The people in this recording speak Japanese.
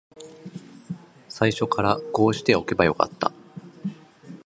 最初からこうしておけばよかった